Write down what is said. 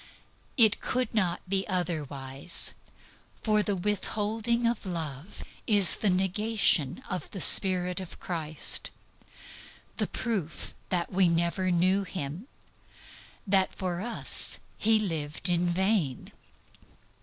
It could not be otherwise. For the withholding of love is the negation of the spirit of Christ, the proof that we never knew Him, that for us He lived in vain.